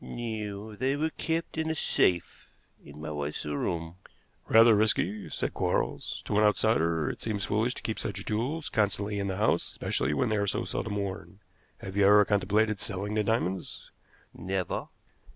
"No; they were kept in a safe in my wife's room." "Rather risky," said Quarles. "To an outsider it seems foolish to keep such jewels constantly in the house, especially when they are so seldom worn. Have you ever contemplated selling the diamonds?" "Never."